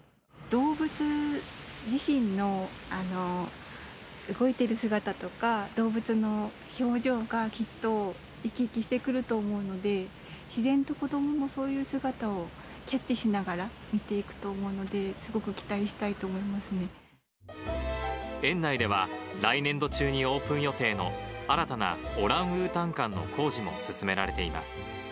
動物自身の動いてる姿とか、動物の表情がきっと生き生きしてくると思うので、自然と子どももそういう姿をキャッチしながら見ていくと思うので、園内では、来年度中にオープン予定の、新たなオランウータン館の工事も進められています。